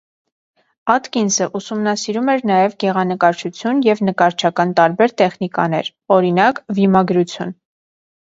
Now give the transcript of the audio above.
Աթկինսը ուսումնասիրում էր նաև գեղանկարչություն և նկարչական տարբեր տեխնիկաներ (օրինակ՝ վիմագրություն)։